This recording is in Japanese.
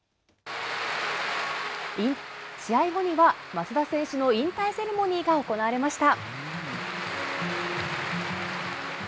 試合後には松田選手の引退セレモニーが行われました。